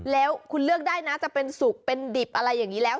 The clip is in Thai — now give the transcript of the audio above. แล้วคุณเลือกได้นะจะเป็นสุกเป็นดิบอะไรอย่างนี้แล้ว